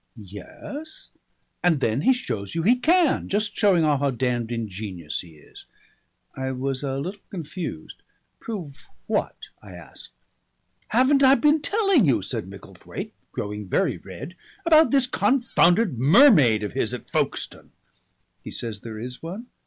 "Yes?" "And then he shows you he can. Just showing off how damned ingenious he is." I was a little confused. "Prove what?" I asked. "Haven't I been telling you?" said Micklethwaite, growing very red. "About this confounded mermaid of his at Folkestone." "He says there is one?"